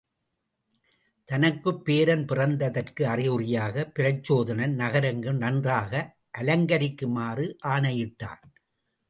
தனக்குப் பேரன் பிறந்ததற்கு அறிகுறியாகப் பிரச்சோதனன் நகரெங்கும் நன்றாக அலங்கரிக்குமாறு ஆணையிட்டான்.